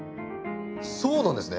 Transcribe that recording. そうなんですね。